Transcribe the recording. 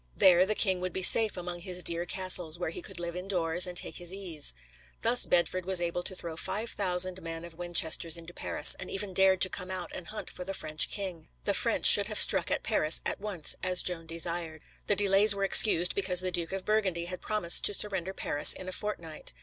There the king would be safe among his dear castles, where he could live indoors, and take his ease. Thus Bedford was able to throw 5,000 men of Winchester's into Paris, and even dared to come out and hunt for the French king. The French should have struck at Paris at once, as Joan desired. The delays were excused because the Duke of Burgundy had promised to surrender Paris in a fortnight.